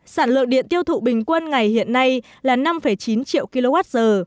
sản lượng điện tiêu thụ bình quân ngày hiện nay là năm chín triệu kwh